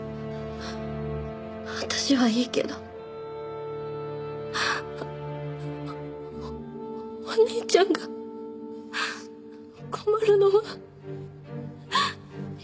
私はいいけどお兄ちゃんが困るのは嫌だ！